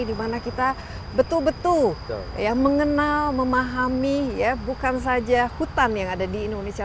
di mana kita betul betul mengenal memahami bukan saja hutan yang ada di indonesia